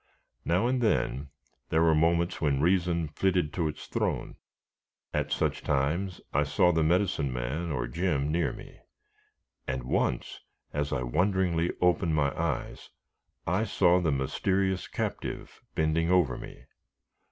Now and then, there were moments when reason flitted to its throne. At such times I saw the Medicine Man or Jim near me; and once, as I wonderingly opened my eyes, I saw the mysterious captive bending over me.